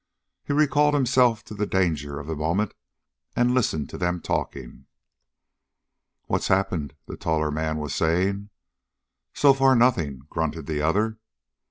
He recalled himself to the danger of the moment and listened to them talking. "What's happened?" the taller man was saying. "So far, nothing," grunted the other.